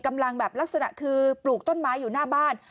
กำลังแบบลักษณะคือปลูกต้นไม้อยู่หน้าบ้าน